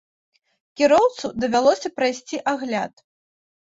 Кіроўцу давялося прайсці агляд.